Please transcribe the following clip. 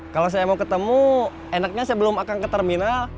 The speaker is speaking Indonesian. kalau saya mau ketemu enaknya sebelum akan ke terminal